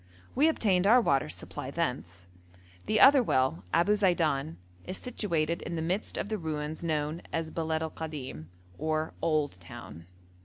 We obtained our water supply thence. The other well, Abu Zeidan, is situated in the midst of the ruins known as Beled al Kadim, or 'old town.'